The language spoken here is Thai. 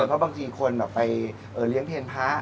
เพราะบางทีคนไปเลี้ยงเพลงพระ